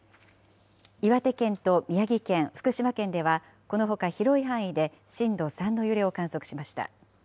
岩手県と宮城県、福島県では、このほか広い範囲で震度３の揺れを観測しました。